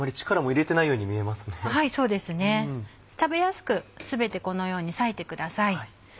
食べやすく全てこのように割いてください。